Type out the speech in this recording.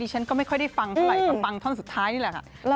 ไหลประปังท่อนสุดท้ายนี่แหละค่ะ